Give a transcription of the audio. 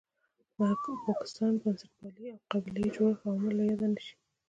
پاکستان، بنسټپالنې او قبیله یي جوړښت عوامل له یاده نه شي.